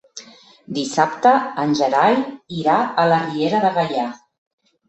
Dissabte en Gerai irà a la Riera de Gaià.